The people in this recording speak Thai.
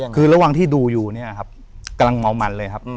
คือระหว่างที่ดูอยู่เนี่ยครับกำลังเมามันเลยครับ